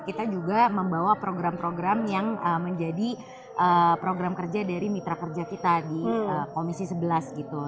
kita juga membawa program program yang menjadi program kerja dari mitra kerja kita di komisi sebelas gitu